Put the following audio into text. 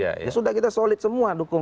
ya sudah kita solid semua dukung